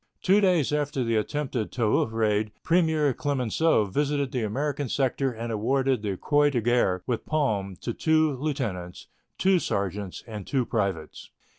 Two days after the attempted Toul raid Premier Clemenceau visited the American sector and awarded the Croix de Guerre with palm to two lieutenants, two sergeants, and two privates.